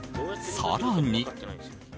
更に。